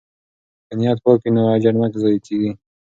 که نیت پاک وي نو اجر نه ضایع کیږي.